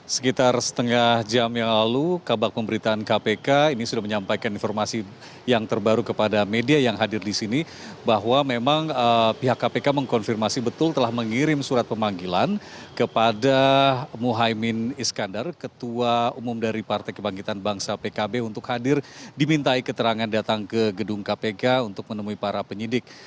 sekitar setengah jam yang lalu kabar pemberitaan kpk ini sudah menyampaikan informasi yang terbaru kepada media yang hadir di sini bahwa memang pihak kpk mengkonfirmasi betul telah mengirim surat pemanggilan kepada mohaimin skandar ketua umum dari partai kebangkitan bangsa pkb untuk hadir dimintai keterangan datang ke gedung kpk untuk menemui para penyidik